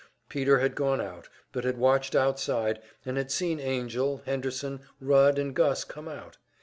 Peter had gone out, but had watched outside, and had seen Angell, Henderson, Rudd and Gus come out.